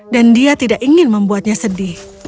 dia tidak ingin membuatnya sedih